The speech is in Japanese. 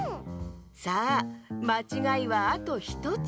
さあまちがいはあと１つ。